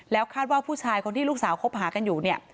แล้วคาดว่าผู้ชายคนที่ลูกสาวคบหากันอยู่เนี่ย